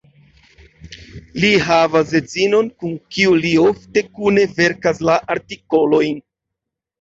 Li havas edzinon kun kiu li ofte kune verkas la artikolojn.